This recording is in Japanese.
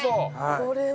これは。